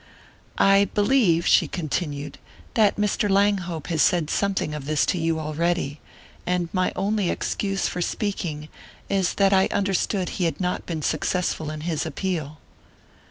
"I believe," she continued, "that Mr. Langhope has said something of this to you already, and my only excuse for speaking is that I understood he had not been successful in his appeal."